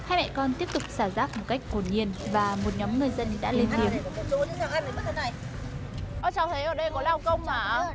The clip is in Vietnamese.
hai mẹ con tiếp tục xả rác một cách hồn nhiên và một nhóm người dân đã lên tiếng